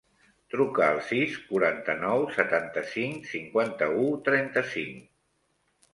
Truca al sis, quaranta-nou, setanta-cinc, cinquanta-u, trenta-cinc.